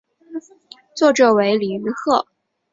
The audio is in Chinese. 作者为李愚赫。